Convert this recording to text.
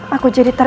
aku jadi terkenal